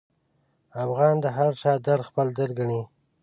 افغان د هرچا درد خپل درد ګڼي.